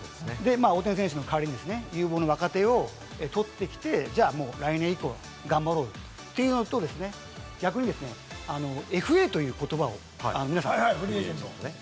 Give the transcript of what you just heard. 大谷選手の代わりに有望な若手を取ってきて、もう来年以降、頑張ろうというのとですね、逆にＦＡという言葉を皆さんご存じですね。